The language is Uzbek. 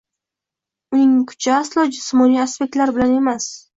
uning kuchi aslo “jismoniy” aspektlar bilan emas